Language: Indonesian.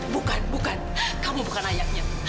bukan bukan kamu bukan ayahnya